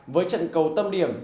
với trận cầu tâm điểm